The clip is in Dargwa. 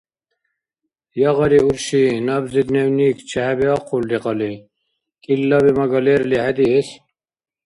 Ягъари, урши, набзи дневник чехӀебиахъулри кьалли? КӀилаби–мага лерли хӀедиэс?